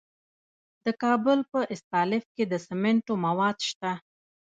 د کابل په استالف کې د سمنټو مواد شته.